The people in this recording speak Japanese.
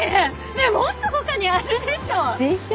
ねえもっと他にあるでしょ！でしょ？